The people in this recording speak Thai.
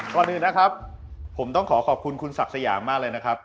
ก่อนอื่นนะครับผมต้องขอขอบคุณคุณศักดิ์สยามมากเลยนะครับ